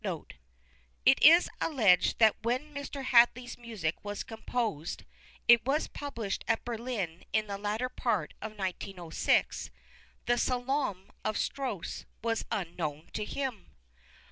It is alleged that when Mr. Hadley's music was composed (it was published at Berlin in the latter part of 1906), the "Salome" of Strauss was unknown to him.